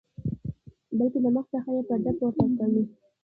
بلکې د مخ څخه یې پرده پورته کوي.